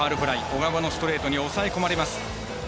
小川のストレートに押さえ込まれます。